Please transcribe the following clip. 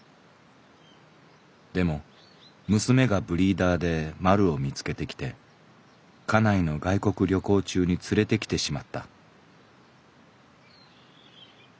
でも娘がブリーダーでまるを見つけてきて家内の外国旅行中に連れてきてしまった」。